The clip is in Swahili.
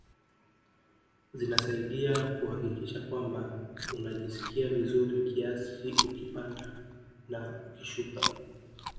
Zinasaidia kuhakikisha kwamba unajisikia vizuri kiasi ukipanda na ukishuka